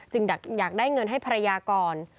อยากได้เงินให้ภรรยาก่อน